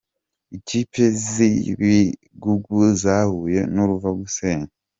Ikipe z’ibigugu zahuye n’uruva gusenya